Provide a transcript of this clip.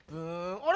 あれ？